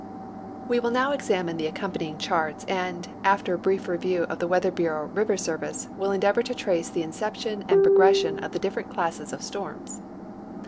We will now examine the accompanying charts and, after a brief review of the Weather Bureau river service, will endeavor to trace the inception and progression of the different classes of storms.